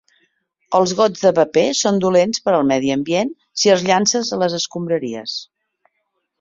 Els gots de paper són dolents per al medi ambient si els llances a les escombraries.